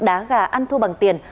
đá gà ăn thu bằng tiền